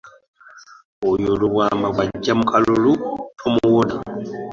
Oyo Lubwama bw'ajja mu kalulu tomuwona.